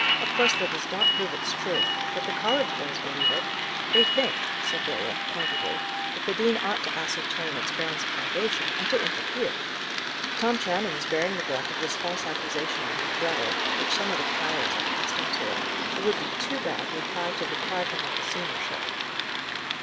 Of course, that does not prove its truth; but the college boys believe it. They think," said Roland, pointedly, "that the dean ought to ascertain its grounds of foundation, and to interfere. Tom Channing is bearing the brunt of this false accusation on his brother, which some of the cowards are casting to him. It would be too bad were Pye to deprive him of the seniorship!"